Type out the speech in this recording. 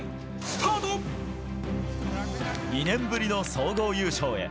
２年ぶりの総合優勝へ。